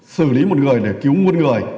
xử lý một người để cứu một người